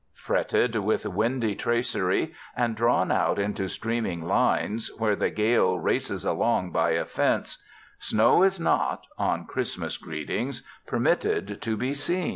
Fretted with windy tracery and drawn out into streaming lines where the gale races along by a fence, snow is not, on Christmas greetings, permitted to be seen.